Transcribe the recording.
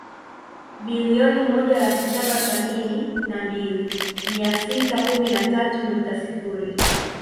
Bilioni moja laki saba sabini na mbili mia sita kumi na tatu nukta sifuri